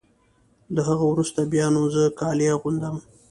له هغه وروسته بیا نو زه کالي اغوندم.